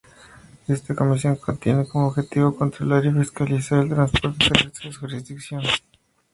Esta comisión tiene como objetivo, controlar y fiscalizar el transporte terrestre de jurisdicción nacional.